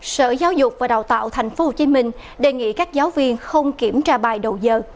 sở giáo dục và đào tạo tp hcm đề nghị các giáo viên không kiểm tra bài đầu giờ